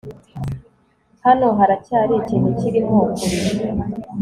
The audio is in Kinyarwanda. Hano haracyari ikintu kirimo kurira